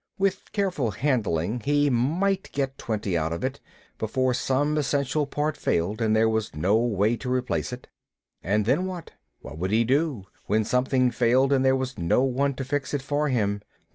With careful handling he might get twenty out of it, before some essential part failed and there was no way to replace it. And then, what then? What would he do, when something failed and there was no one to fix it for him?